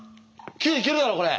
９いけるだろこれ。